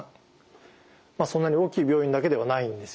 そんなに大きい病院だけではないんですよね。